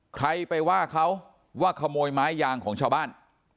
ใครไปว่าเขาว่าขโมยไม้ยางของชาวบ้าน